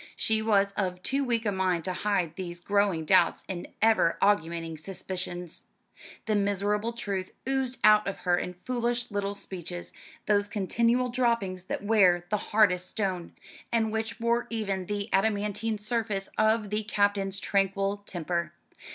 She was of too weak a mind to hide these growing doubts and ever augmenting suspicions. The miserable truth oozed out of her in foolish little speeches; those continual droppings that wear the hardest stone, and which wore even the adamantine surface of the Captain's tranquil temper.